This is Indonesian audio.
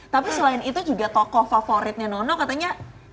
tapi selain itu juga tokoh favoritnya nono katanya